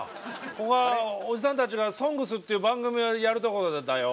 ここはおじさんたちが「ＳＯＮＧＳ」っていう番組をやるところだよ。